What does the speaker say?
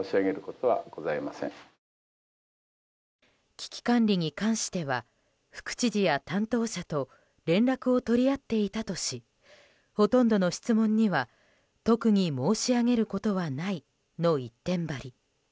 危機管理に関しては副知事や担当者と連絡を取り合っていたとしほとんどの質問には特に申し上げることはないの一点張り。